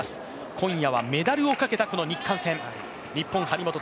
今夜はメダルをかけた日韓戦。